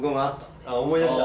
思い出した？